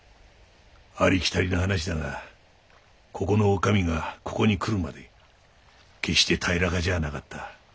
ありきたりの話だがここの女将がここにくるまで決して平らかじゃなかった。